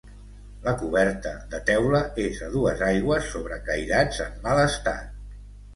La coberta, de teula, és a dues aigües sobre cairats en mal estat.